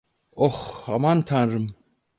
Oh, aman Tanrım.